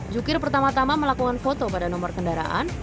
jukir pertama tama melakukan foto pada nomor kendaraan